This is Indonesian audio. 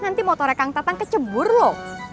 nanti motornya kang tatang kecebur loh